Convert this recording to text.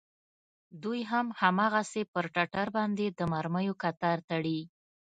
دوى هم هماغسې پر ټټر باندې د مرميو کتار تړي.